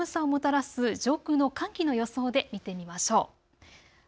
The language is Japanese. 寒さをもたらす上空の寒気の予想を見てみましょう。